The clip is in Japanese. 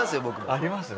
あります？